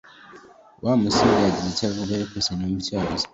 Wa musore yagize icyo avuga ariko sinumva ibyo yavuze